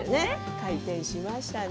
開店しましたね。